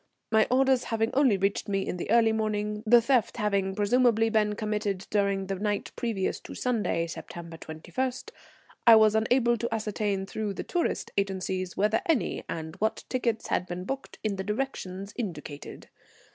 My orders having only reached me in the early morning, the theft having presumably been committed during the night previous to Sunday, September 21, I was unable to ascertain through the tourist agencies whether any and what tickets had been booked in the directions indicated.